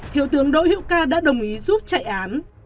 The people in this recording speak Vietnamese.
thiếu tướng đỗ hữu ca đã đồng ý giúp chạy án